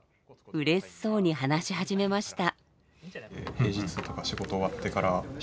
うれしそうに話し始めました。